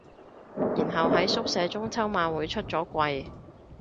然後喺宿舍中秋晚會出咗櫃